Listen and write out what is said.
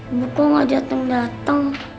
ibu kok gak datang datang